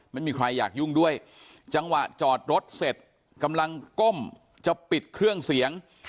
ไม่มีใครอยากยุ่งด้วยจังหวะจอดรถเสร็จกำลังก้มจะปิดเครื่องเสียง